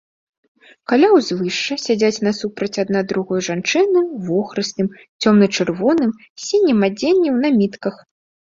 Каля ўзвышша сядзяць насупраць адна другой жанчыны ў вохрыстым, цёмна-чырвоным, сінім адзенні, у намітках.